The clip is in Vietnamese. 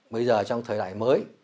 bây giờ trong thời đại mới